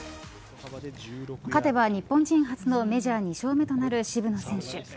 勝てば日本人初のメジャー２勝目となる渋野選手。